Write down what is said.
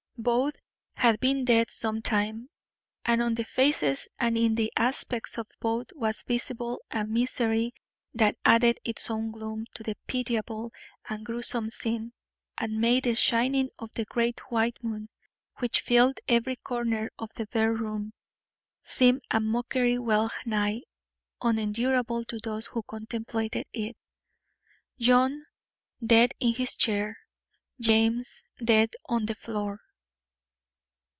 Both, had been dead some time, and on the faces and in the aspects of both was visible a misery that added its own gloom to the pitiable and gruesome scene, and made the shining of the great white moon, which filled every corner of the bare room, seem a mockery well nigh unendurable to those who contemplated it. John, dead in his chair! James, dead on the floor!